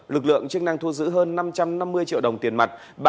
lực lượng chức năng thu giữ hơn năm trăm năm mươi triệu đồng tiền mặt